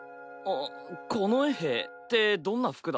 近衛兵？ってどんな服だ？